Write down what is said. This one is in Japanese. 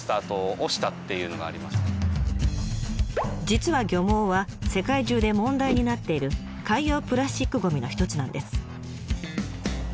実は漁網は世界中で問題になっている海洋プラスチックゴミの一つなんです。